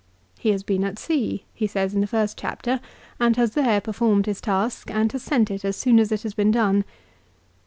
He has been at sea, he says, in the first chapter, and has there performed his task and has sent it as soon as it has been done.